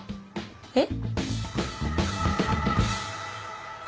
えっ？